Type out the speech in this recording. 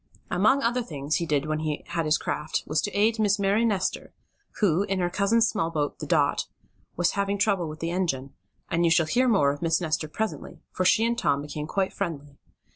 Among other things he did when he had his craft, was to aid a Miss Mary Nestor, who, in her cousin's small boat, the Dot, was having trouble with the engine, and you shall hear more of Miss Nestor presently, for she and Tom became quite friendly.